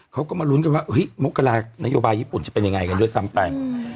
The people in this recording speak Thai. เขาก็มาลุ้นว่าโมกราคนโยบายญี่ปุ่นจะเป็นยังไงด้วยซ้ำไป